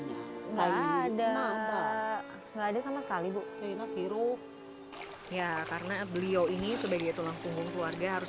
enggak ada sama sekali bukiru ya karena beliau ini sebagai tulang punggung keluarga harus